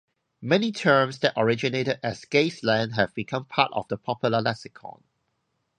Many terms that originated as gay slang have become part of the popular lexicon.